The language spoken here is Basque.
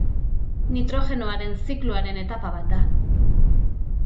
Nitrogenoaren zikloaren etapa bat da.